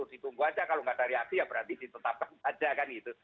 ditunggu aja kalau nggak ada reaksi ya berarti ditetapkan aja kan gitu